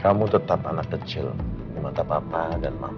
kamu tetap anak kecil di mata papa dan mama